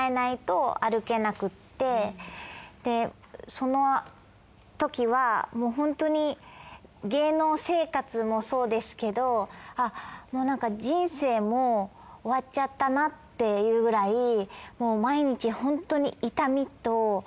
そのときはもうホントに芸能生活もそうですけどなんか人生も終わっちゃったなっていうくらいもう毎日ホントに痛みと。